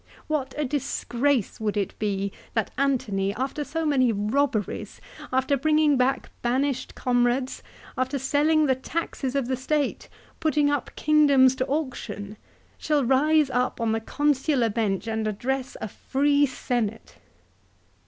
" What a disgrace would it be that Antony, after so many robberies, after bringing back banished comrades, after selling the taxes of the State, putting up kingdoms to auction, shall rise up on the consular bench and address a free Senate!"